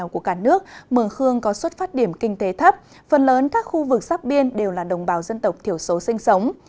mường khương có xuất phát điểm kinh tế thấp phần lớn các khu vực sắp biên đều là đồng bào dân tộc thiểu số sinh sống